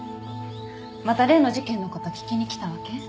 また例の事件の事聞きに来たわけ？